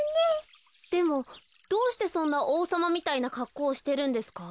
でもどうしてそんなおうさまみたいなかっこうをしてるんですか？